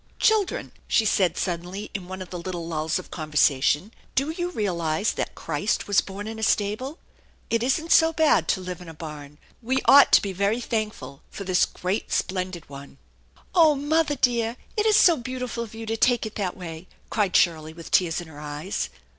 " Children/' she said suddenly in one of the little lulls of conversation, " do you realize that Christ was born in a stable ? It isn't so bad to live in a barn. We ought to be very thankful for this great splendid one !"" Oh mother, dear ! It is so beautiful of you to take it that way !" cried Shirley with tears in her eyes.